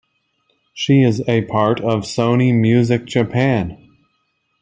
She is a part of Sony Music Japan.